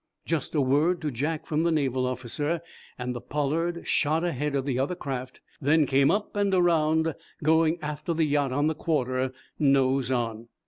Just a word to Jack from the Naval officer, and the "Pollard" shot ahead of the other craft, then came up and around, going after the yacht on the quarter, nose on.